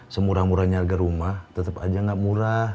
semurah murahnya harga rumah tetap aja nggak murah